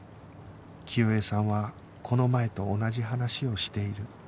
清江さんはこの前と同じ話をしている